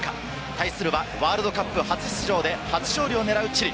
対するはワールドカップ初出場で初勝利を狙うチリ。